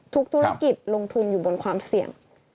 ธุรกิจลงทุนอยู่บนความเสี่ยง